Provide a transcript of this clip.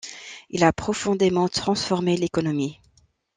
Il a profondément transformé l'économie.